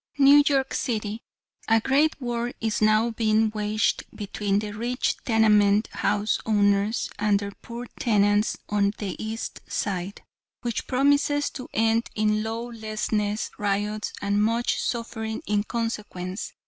"New York City: A great war is now being waged between the rich tenement house owners and their poor tenants on the East Side, which promises to end in lawlessness, riots, and much suffering in consequence.